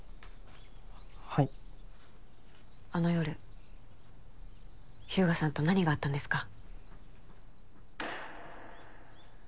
はいあの夜日向さんと何があったんですか？